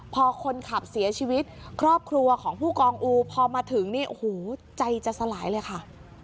พอคนขับเสียชีวิตครอบครัวของผู้กองอูพอมาถึงนี่โอ้โหใจจะสลายเลยค่ะ